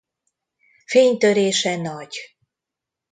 Fénytörése nagy.